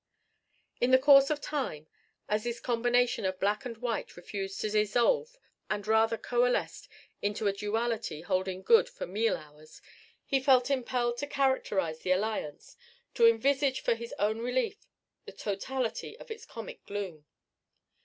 In the course of time, as this combination of black and white refused to dissolve and rather coalesced into a duality holding good for meal hours, he felt impelled to characterize the alliance to envisage for his own relief the totality of its comic gloom.